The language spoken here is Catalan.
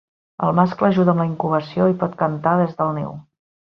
El mascle ajuda amb la incubació i pot cantar des del niu.